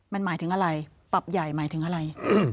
มันหมายถึงอะไรปรับใหญ่หมายถึงอะไร